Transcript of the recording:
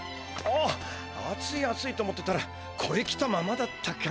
あっ暑い暑いと思ってたらこれ着たままだったか。